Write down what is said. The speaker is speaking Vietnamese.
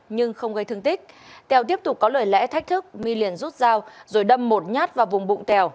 nhưng không gây thương tích tèo tiếp tục có lời lẽ thách thức my liền rút dao rồi đâm một nhát vào vùng bụng tèo